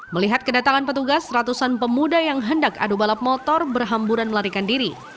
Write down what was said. melihat kedatangan petugas ratusan pemuda yang hendak adu balap motor berhamburan melarikan diri